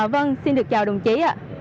vâng xin được chào đồng chí